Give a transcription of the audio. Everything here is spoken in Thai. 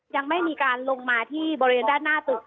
ยังไม่มีการลงมาที่บริเวณด้านหน้าตึก